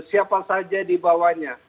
siapa saja di bawahnya